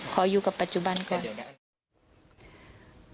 ขออยู่กับปัจจุบันก่อน